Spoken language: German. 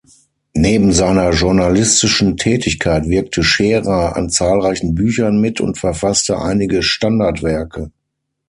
Neben seiner journalistischen Tätigkeit wirkte Scherer an zahlreichen Büchern mit und verfasste einige Standardwerke.